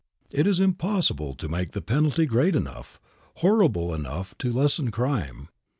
It is impossible to make the penalty great enough, horrible enough to lessen crime.